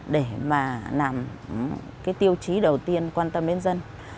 để mà làm cái tiêu chí đầu tiên quan tâm đến dân